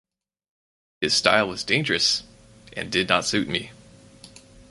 His style was dangerous and did not suit me.